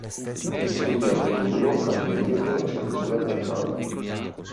Studia anche mimo, canto lirico e scrittura teatrale.